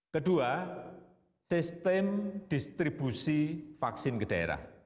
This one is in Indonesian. kedua sistem distribusi vaksin ke daerah